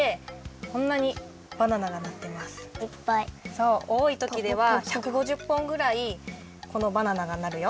そうおおいときでは１５０ぽんぐらいこのバナナがなるよ。